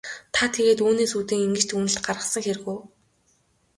Та тэгээд үүнээс үүдэн ингэж дүгнэлт гаргасан хэрэг үү?